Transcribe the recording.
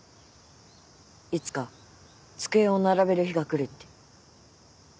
いつか机を並べる日が来るって。